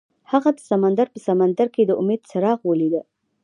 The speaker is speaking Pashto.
هغه د سمندر په سمندر کې د امید څراغ ولید.